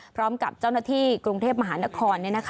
พร้อมกับเจ้าหน้าที่กรุงเทพมหานคร